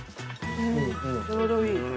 うんちょうどいい。